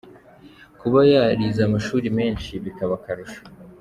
Kuba yarize amashuri menshi bikaba akarusho.